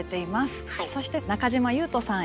そして中島裕翔さん